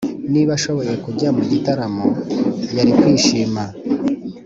niba ashoboye kujya mu gitaramo, yari kwishima.